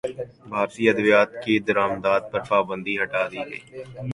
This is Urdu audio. بھارتی ادویات کی درمدات پر پابندی ہٹادی گئی